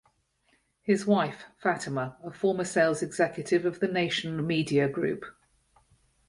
His wife, Fatima, a former sales executive of the Nation Media Group.